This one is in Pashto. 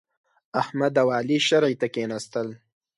احمد او علي شرعې ته کېناستل.